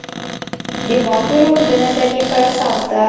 د مازلو د نظریې پر اساس ده.